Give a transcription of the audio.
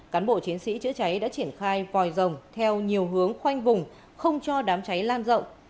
cán bộ chiến sĩ chữa cháy đã triển khai vòi rồng theo nhiều hướng khoanh vùng không cho đám cháy lan rộng